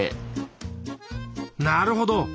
なるほど。